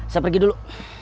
saya pergi dulu